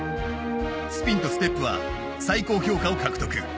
スピンとステップは最高評価を獲得。